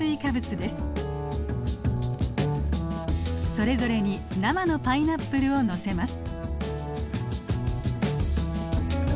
それぞれに生のパイナップルをのせます。